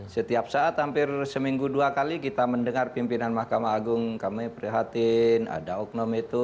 setiap saat hampir seminggu dua kali kita mendengar pimpinan mahkamah agung kami prihatin ada oknum itu